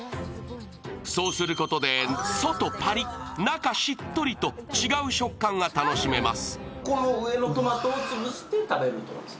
そうすることで外パリッ、中しっとりと、違う食感が楽しめます。